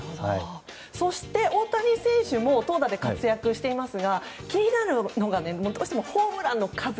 そして、大谷選手も投打で活躍していますが気になるのがどうしてもホームランの数。